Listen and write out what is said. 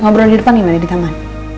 ngobrol di depan gimana di taman